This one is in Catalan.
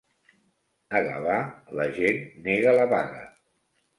A Gavà la gent nega la vaga.